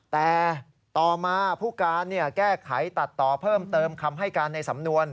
แต่ต่อมาผู้การแก้ไขตัดต่อเพิ่มเติมคำให้การในสำนวน